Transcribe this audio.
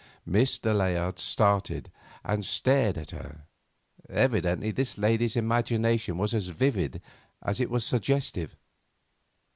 Mr. Layard started and stared at her. Evidently this lady's imagination was as vivid as it was suggestive.